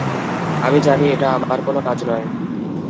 আমি জানি এটা আমার কোনো কাজ নয়।